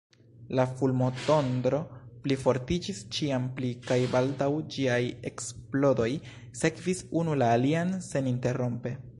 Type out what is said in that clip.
La fulmotondro plifortiĝis ĉiam pli, kaj baldaŭ ĝiaj eksplodoj sekvis unu la alian seninterrompe.